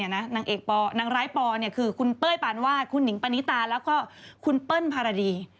นางเอกปนางร้ายปอคือคุณเป้ยปานวาดคุณหนิงปานิตาแล้วก็คุณเปิ้ลภารดี